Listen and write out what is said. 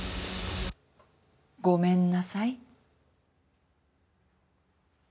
ごめんなさい。